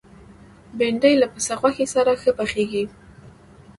بېنډۍ له پسه غوښې سره ښه پخېږي